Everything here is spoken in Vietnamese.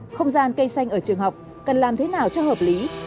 không gian cây xanh ở trường học cần làm thế nào cho hợp lý